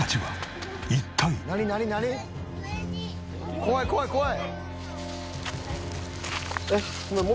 怖い怖い怖い！